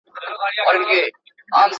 کډوال د جګړو او ظلمونو له امله تښتي.